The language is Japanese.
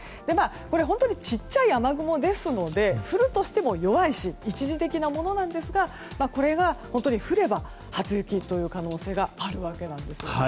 本当に小さい雨雲ですので降るとしても弱いし一時的なものなんですがこれが、本当に降れば初雪という可能性があるわけなんです。